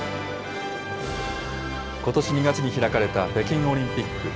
ことし２月に開かれた北京オリンピック。